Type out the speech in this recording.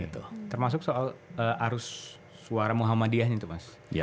termasuk soal arus suara muhammadiyahnya itu mas